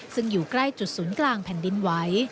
ซึ่งอยู่ใกล้จุดศูนย์กลางแผ่นดินไหว